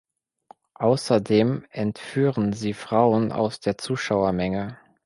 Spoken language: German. Außerdem „entführen“ sie Frauen aus der Zuschauermenge.